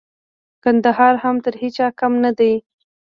کندهار هم تر هيچا کم نه دئ.